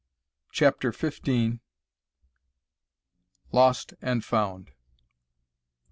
CHAPTER FIFTEEN. LOST AND FOUND.